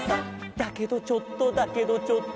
「だけどちょっとだけどちょっと」